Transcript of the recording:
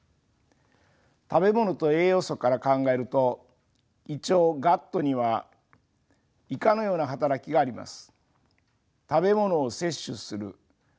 食べ物と栄養素から考えると胃腸ガットには以下のような働きがあります。